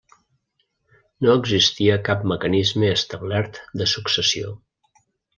No existia cap mecanisme establert de successió.